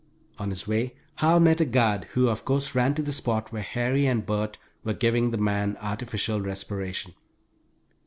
On his way, Hal met a guard who, of course, ran to the spot where Harry and Bert were giving the man artificial respiration.